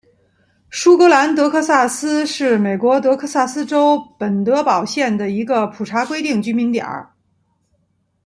舒格兰德克萨斯是美国德克萨斯州本德堡县的一个普查规定居民点。